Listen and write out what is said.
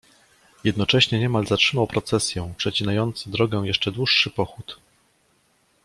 "Jednocześnie niemal zatrzymał procesję przecinający drogę jeszcze dłuższy pochód."